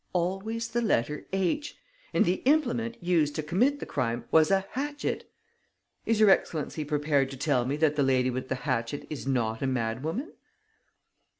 Always the letter H. And the implement used to commit the crime was a hatchet. Is your excellency prepared to tell me that the lady with the hatchet is not a madwoman?"